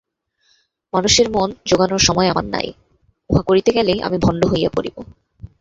মানুষের মন যোগানর সময় আমার নাই, উহা করিতে গেলেই আমি ভণ্ড হইয়া পড়িব।